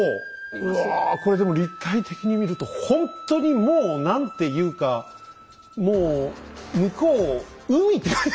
うわこれでも立体的に見るとほんとにもう何ていうかもう向こう海って感じ。